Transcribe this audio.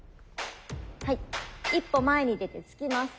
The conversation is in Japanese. はい一歩前に出て突きます。